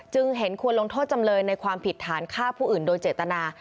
เห็นควรลงโทษจำเลยในความผิดฐานฆ่าผู้อื่นโดยเจตนา